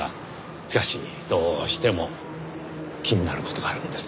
しかしどうしても気になる事があるんです。